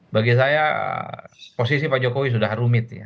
bagi saya posisi pak jokowi sudah rumit ya